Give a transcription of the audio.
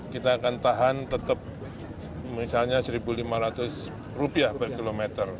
kita akan tahan tetap misalnya rp satu lima ratus per kilometer